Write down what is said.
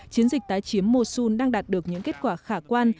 chiến dịch tái chiếm mosun đang đạt được những kết quả khả quan